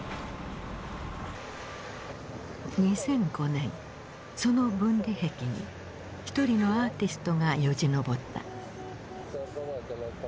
２００５年その分離壁に一人のアーティストがよじ登った。